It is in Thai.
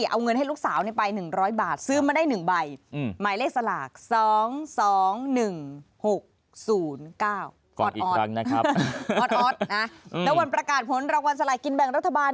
แล้ววันประกาศผลรางวัลสลากินแบ่งรัฐบาล